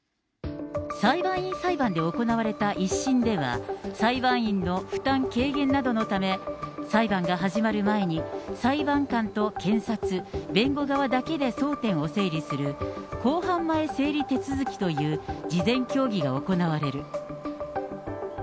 裁判員裁判で行われた１審では、裁判員の負担軽減などのため、裁判が始まる前に、裁判官と検察、弁護側だけで争点を整理する、公判前整理手続きという事前協議が行われる。